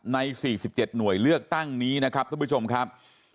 ใน๔๗หน่วยเลือกตั้งนี้นะครับทุกผู้ชมครับ